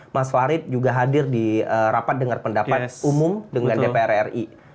mas farid juga hadir di rapat dengar pendapat umum dengan dpr ri